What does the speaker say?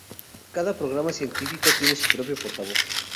Cada Programa científico tiene su propio portavoz.